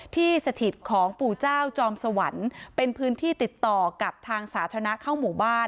สถิตของปู่เจ้าจอมสวรรค์เป็นพื้นที่ติดต่อกับทางสาธารณะเข้าหมู่บ้าน